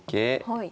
はい。